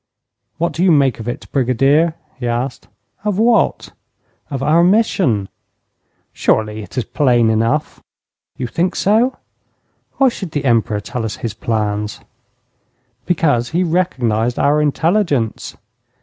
'What do you make of it, Brigadier?' he asked. 'Of what?' 'Of our mission.' 'Surely it is plain enough.' 'You think so? Why should the Emperor tell us his plans?' 'Because he recognized our intelligence.'